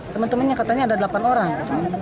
teman temannya katanya ada delapan orang